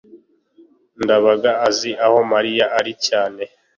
ndabaga azi aho mariya ari cyane